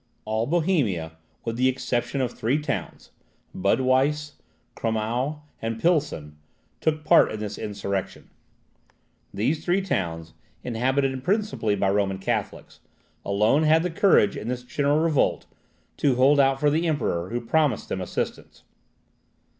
All Bohemia, with the exception of three towns, Budweiss, Krummau, and Pilsen, took part in this insurrection. These three towns, inhabited principally by Roman Catholics, alone had the courage, in this general revolt, to hold out for the Emperor, who promised them assistance.